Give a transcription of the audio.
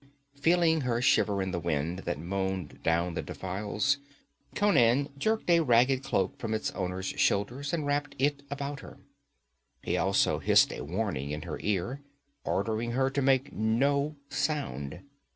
Feeling her shiver in the wind that moaned down the defiles, Conan jerked a ragged cloak from its owner's shoulders and wrapped it about her. He also hissed a warning in her ear, ordering her to make no sound.